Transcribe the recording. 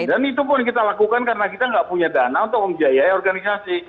dan itu pun kita lakukan karena kita nggak punya dana untuk membiayai organisasi